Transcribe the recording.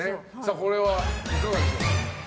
これはいかがでしょう？